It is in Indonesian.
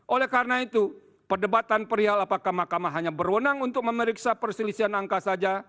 oleh karena itu perdebatan perial apakah mahkamah hanya berwenang untuk memeriksa perselisihan angka saja